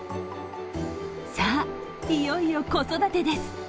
さあ、いよいよ子育てです。